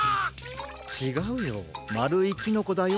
ちがうよまるいキノコだよ。